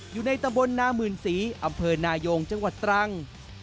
อยู่ในตำบลนามื่นศรีอำเภอนายงจังหวัดตรัง